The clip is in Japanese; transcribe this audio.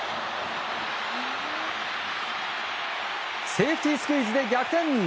セーフティースクイズで逆転。